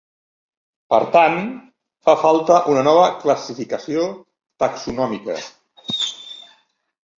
Per tant, fa falta una nova classificació taxonòmica.